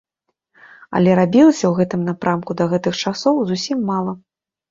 Але рабілася ў гэтым напрамку да гэтых часоў зусім мала.